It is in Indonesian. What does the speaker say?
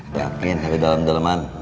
lakin sampai ke daleman daleman